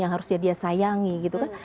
yang harusnya dia sayangi gitu kan